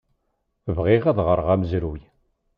Bɣiɣ ad ɣreɣ amezruy.